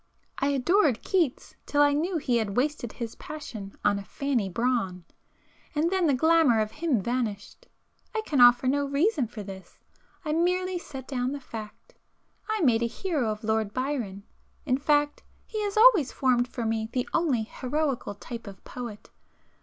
I adored Keats till I knew he had wasted his passion on a Fanny Brawn,—and then the glamour of him vanished. I can offer no reason for this,—I merely set down the fact. I made a hero of Lord Byron,—in fact he has always formed for me the only heroical type of poet.